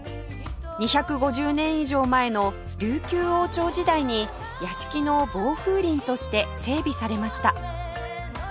２５０年以上前の琉球王朝時代に屋敷の防風林として整備されました